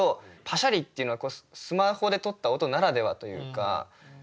「パシャリ」っていうのはスマホで撮った音ならではというか。